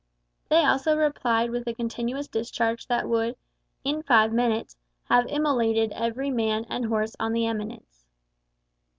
They also replied with a continuous discharge that would, in five minutes, have immolated every man and horse on the eminence.